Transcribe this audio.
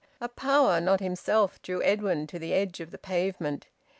A power not himself drew Edwin to the edge of the pavement.